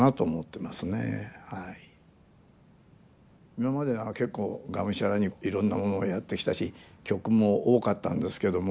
今までは結構がむしゃらにいろんなものをやってきたし曲も多かったんですけども。